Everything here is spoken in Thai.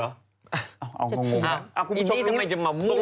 อ้าวคุณผู้ชมรู้